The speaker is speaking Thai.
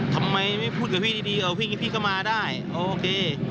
ทำไมไม่พูดกับพี่ดีเออพี่ก็มาได้โอเค